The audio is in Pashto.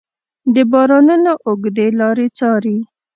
د بارانونو اوږدې لارې څارې